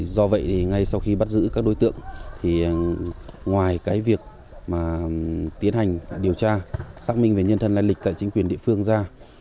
do vậy ngay sau khi bắt giữ các đối tượng ngoài việc tiến hành điều tra xác minh về nhân thân lãnh lịch tại chính quyền địa phương ra